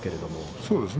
そうですね。